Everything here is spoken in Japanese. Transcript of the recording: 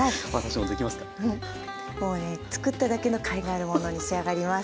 もうね作っただけのかいがあるものに仕上がります。